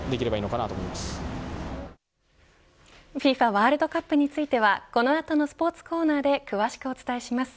ワールドカップについては、この後のスポーツコーナーで詳しくお伝えします。